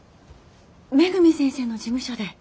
恵先生の事務所で。